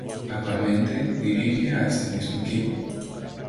Actualmente dirige a este mismo equipo.